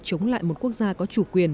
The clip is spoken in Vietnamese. chống lại một quốc gia có chủ quyền